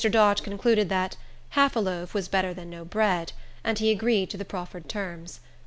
Dodge concluded that "half a loaf was better than no bread," and he agreed to the proffered terms.